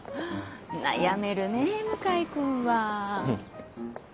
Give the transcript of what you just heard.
悩めるね向井君は。